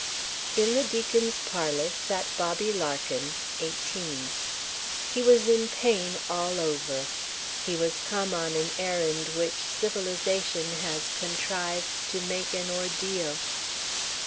In the Deacons' parlour sat Bobby Larkin, eighteen. He was in pain all over. He was come on an errand which civilisation has contrived to make an ordeal.